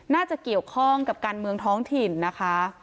น่าจะเกี่ยวข้องกับการเมืองท้องถิ่นนะคะ